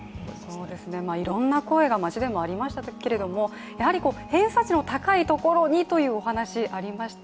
いろいろな声が街でもありましたけれども、偏差値の高いところにというお話ありました。